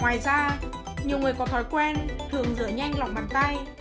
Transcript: ngoài ra nhiều người có thói quen thường rửa nhanh lòng bàn tay